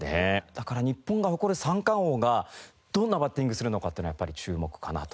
だから日本が誇る三冠王がどんなバッティングするのかっていうのはやっぱり注目かなと。